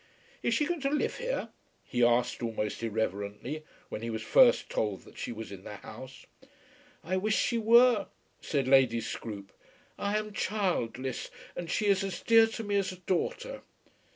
"Is she going to live here?" he asked, almost irreverently, when he was first told that she was in the house. "I wish she were," said Lady Scroope. "I am childless, and she is as dear to me as a daughter."